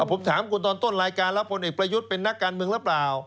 ผมถามคุณตอนต้นรายการแล้วพลเอกประยุทธ์เป็นนักการเมืองหรือเปล่า